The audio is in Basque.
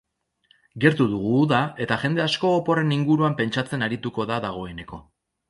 Gertu dugu uda eta jende asko oporren inguruan pentsatzen arituko da dagoeneko.